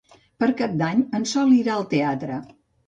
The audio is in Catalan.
Per Cap d'Any en Sol irà al teatre.